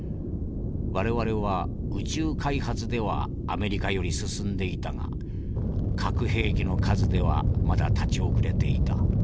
我々は宇宙開発ではアメリカより進んでいたが核兵器の数ではまだ立ちおくれていた。